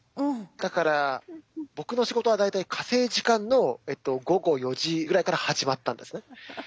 だから僕の仕事は大体火星時間の午後４時ぐらいから始まったんですね。